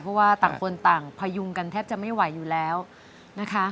เพราะว่าต่างคนต่างพยุงกันแทบจะไม่ไหวอยู่แล้วนะคะ